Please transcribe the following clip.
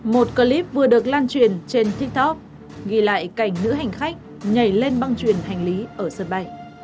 một clip vừa được lan truyền trên tiktok ghi lại cảnh nữ hành khách nhảy lên băng truyền hành lý ở sân bay